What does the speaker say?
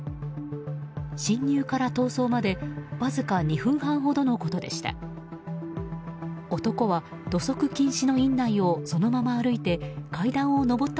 侵入から逃走までわずか２分半ほどのことでした。